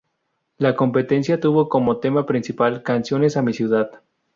La competencia tuvo como tema principal "Canciones a mi ciudad".